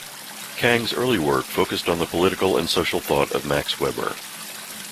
Kang's early work focused on the political and social thought of Max Weber.